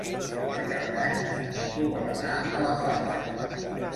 Per Cap d'Any en Nico vol anar a la platja.